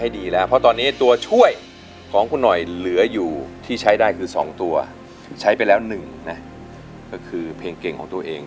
การช่วยคนคุณหน่อยสำหรับคนคุณคุณจนแกนะคะ